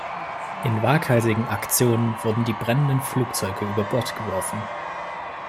In waghalsigen Aktionen wurden die brennenden Flugzeuge über Bord geworfen.